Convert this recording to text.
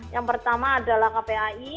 yang pertama adalah kpai